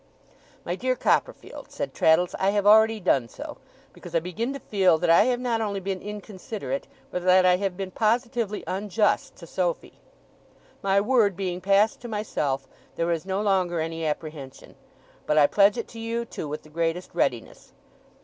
'My dear Copperfield,' said Traddles, 'I have already done so, because I begin to feel that I have not only been inconsiderate, but that I have been positively unjust to Sophy. My word being passed to myself, there is no longer any apprehension; but I pledge it to you, too, with the greatest readiness.